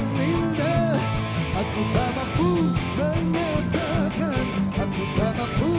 dan teruslah bisa